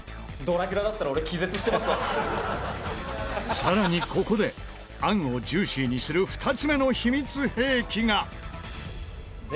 更にここで餡をジューシーにする２つ目の秘密兵器が。